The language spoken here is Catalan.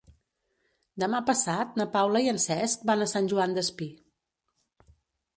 Demà passat na Paula i en Cesc van a Sant Joan Despí.